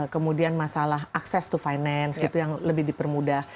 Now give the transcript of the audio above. kemudian masalah access to finance gitu yang lebih dipermudah